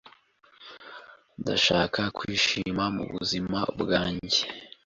Ndashaka kwishima mubuzima bwanjye...